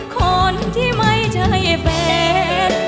คนที่ไม่ใช่แฟน